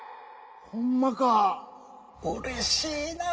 ほんまかうれしいな。